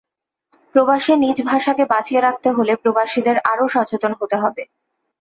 প্রবাসে নিজ ভাষাকে বাঁচিয়ে রাখতে হলে প্রবাসীদের আরও সচেতন হতে হবে।